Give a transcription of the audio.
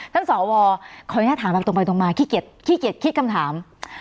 ท่านสอวขออนุญาตถามแบบตรงไปตรงมาค่าเกียจคิดคำถาม